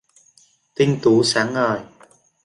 Tinh tú sáng ngời